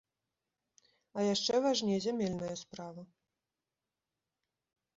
А яшчэ важней зямельная справа.